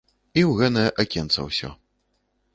І ў гэнае акенца ўсе.